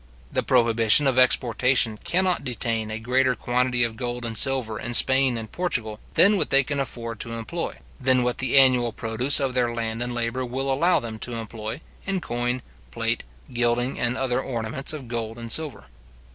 The prohibition of exportation cannot detain a greater quantity of gold and silver in Spain and Portugal, than what they can afford to employ, than what the annual produce of their land and labour will allow them to employ, in coin, plate, gilding, and other ornaments of gold and silver.